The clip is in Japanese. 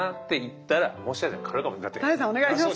お願いします！